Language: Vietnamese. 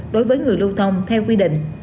đối với người lưu thông theo quy định